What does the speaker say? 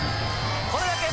これだけ！